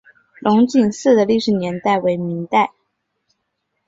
龙井寺的历史年代为明代。